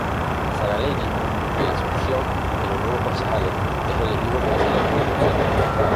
Saralegui en la asunción de los nuevos concejales, es elegido Presidente del Concejo.